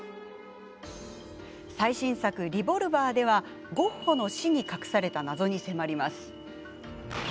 最新作「リボルバー」ではゴッホの死に隠された謎に迫ります。